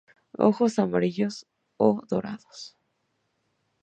Ojos amarillos o dorados.